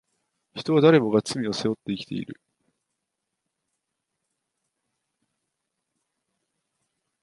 人は誰もが罪を背負って生きている